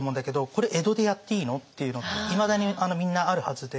これ江戸でやっていいの？っていうのっていまだにみんなあるはずで。